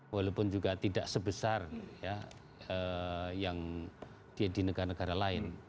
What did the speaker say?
walaupun juga tidak sebesar ya yang di negara negara lain